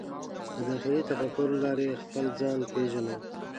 د داخلي تفکر له لارې خپل ځان پېژنو.